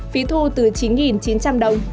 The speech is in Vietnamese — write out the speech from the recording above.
phí thu từ chín chín trăm linh đồng